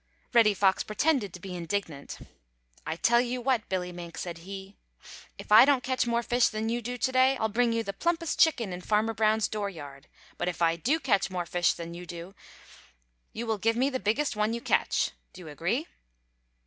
Reddy Fox pretended to be indignant. "I tell you what, Billy Mink," said he, "if I don't catch more fish than you do to day I'll bring you the plumpest chicken in Farmer Brown's dooryard, but if I do catch more fish than you do you will give me the biggest one you catch. Do you agree?"